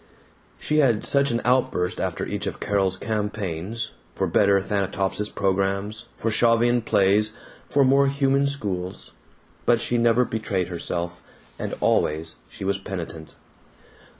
She had such an outburst after each of Carol's campaigns for better Thanatopsis programs, for Shavian plays, for more human schools but she never betrayed herself, and always she was penitent.